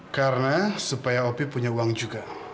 karena supaya opi punya uang juga